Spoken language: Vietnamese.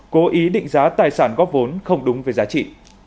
cố ý định giá tài sản góp vốn không đúng với giá trị